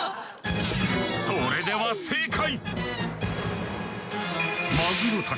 それでは正解！